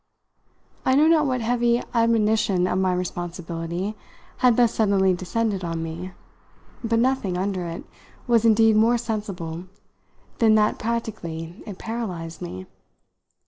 I know not what heavy admonition of my responsibility had thus suddenly descended on me; but nothing, under it, was indeed more sensible than that practically it paralysed me.